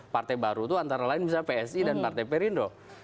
partai baru itu antara lain misalnya psi dan partai perindo